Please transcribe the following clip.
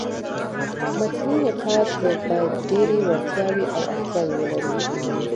متني نقاد باید ډېري وړتیاوي او اړتیاوي ولري.